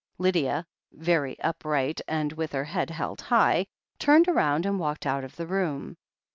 Lydia, very upright and with her head held high, turned round and walked out of the room.